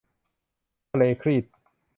ทะเลครีต